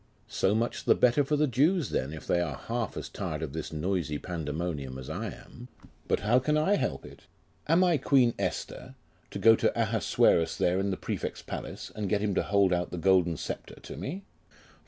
'So much the better for the Jews, then, if they are half as tired of this noisy Pandemonium as I am. But how can I help it? Am I Queen Esther, to go to Ahasuerus there in the prefect's palace, and get him to hold out the golden sceptre to me?